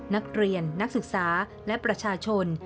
นักเรียนนักศึกษาและประชาชน